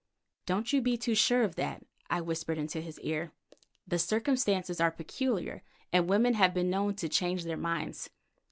"Don't you be too sure of that," I whispered into his ear. "The circumstances are peculiar, and women have been known to change their minds."